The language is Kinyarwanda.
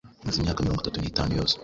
maze imyaka mirongo itatu nitanu yose